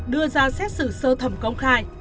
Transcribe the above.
đưa ra xét xử sơ thẩm công khai